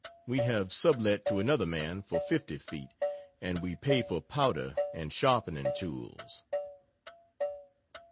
We have sub let to another man for 50 ft., and we pay for powder and sharpening tools.